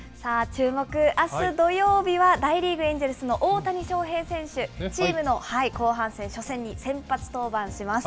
注目、あす土曜日は、大リーグ・エンジェルスの大谷翔平選手、チームの後半戦初戦に先発登板します。